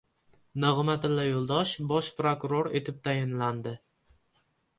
Nig‘matilla Yo‘ldoshev Bosh prokuror etib tayinlandi